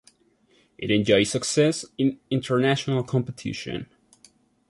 It enjoyed success in international competition.